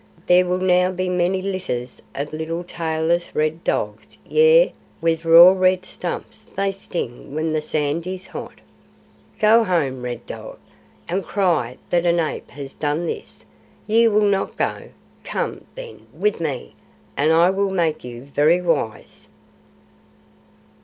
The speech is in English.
There will now be many litters of little tailless red dogs, yea, with raw red stumps that sting when the sand is hot. Go home, Red Dog, and cry that an ape has done this. Ye will not go? Come, then, with me, and I will make you very wise!"